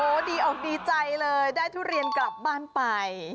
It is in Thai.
ดีอกดีใจเลยได้ทุเรียนกลับบ้านไป